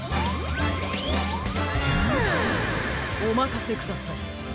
おまかせください